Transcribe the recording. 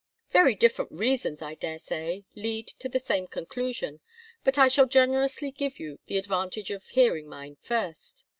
Very different reasons, I daresay, lead to the same conclusion; but I shall generously give you the advantage of hearing mine first.